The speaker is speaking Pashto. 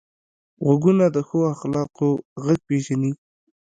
غوږونه د ښو اخلاقو غږ پېژني